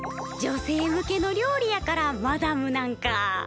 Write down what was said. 女性向けの料理やからマダムなんか。